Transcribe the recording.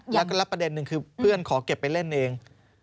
แล้วก็ประเด็นหนึ่งคือเพื่อนขอเก็บไปเล่นเอง